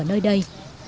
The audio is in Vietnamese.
ở nơi đây